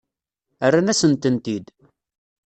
Rran-asen-tent-id.